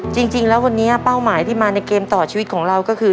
จริงแล้ววันนี้เป้าหมายที่มาในเกมต่อชีวิตของเราก็คือ